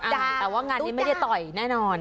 แต่ว่างานนี้ไม่ได้ต่อยแน่นอน